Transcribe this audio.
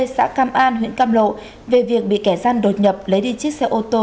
xã cam an huyện cam lộ về việc bị kẻ gian đột nhập lấy đi chiếc xe ô tô